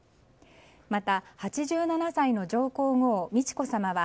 また、８７歳の上皇后・美智子さまは